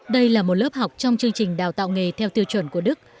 đây là một lớp học trong chương trình đào tạo nghề theo tiêu chuẩn của đức